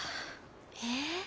え？